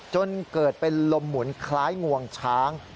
จนเกิดเป็นลมหมุนคล้ายงวงช้าง